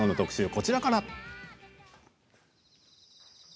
こちらから。